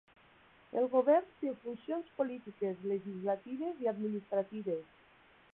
El govern té funcions polítiques, legislatives i administratives.